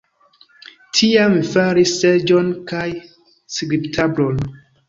Tiam mi faris seĝon kaj skribtablon.